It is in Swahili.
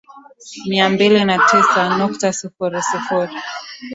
mia mbili na tisa nukta sifuri sifuri